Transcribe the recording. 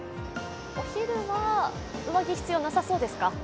お昼は上着、必要なさそうですか？